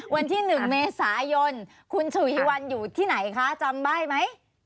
วันที่๑เมษายนคุณฉวีวันอยู่ที่ไหนคะจำได้ไหม